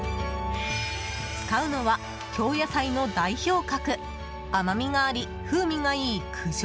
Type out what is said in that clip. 使うのは、京野菜の代表格甘みがあり、風味がいい九条